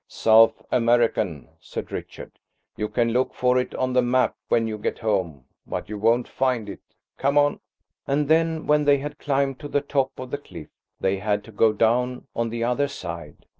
"South American," said Richard. "You can look for it on the map when you get home–but you won't find it. Come on!" And then when they had climbed to the top of the cliff they had to go down on the other side.